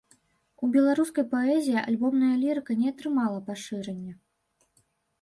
У беларускай паэзіі альбомная лірыка не атрымала пашырэння.